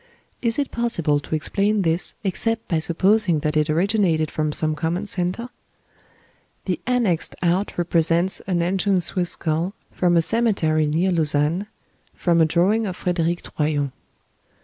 Is it possible to explain this except by supposing that it originated from some common centre? The annexed cut represents an ancient Swiss skull, from a cemetery near Lausanne, from a drawing of Frederick Troyon.